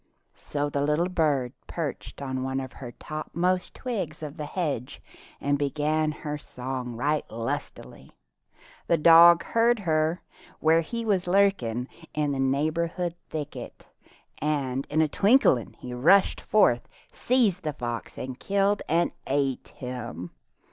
So the little bird perched on one of the topmost twigs of the hedge and began her song right lustily. The dog heard her, where he was lurking in a neighboring thicket, and in a twinkling he rushed forth, seized the fox and killed and ate him.